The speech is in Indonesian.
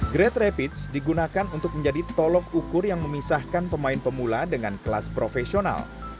grade rapids digunakan untuk menjadi tolok ukur yang memisahkan pemain pemula dengan kelas profesional